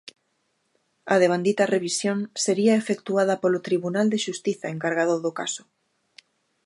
A devandita revisión sería efectuada polo tribunal de xustiza encargado do caso.